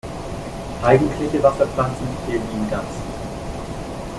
Eigentliche Wasserpflanzen fehlen ihnen ganz.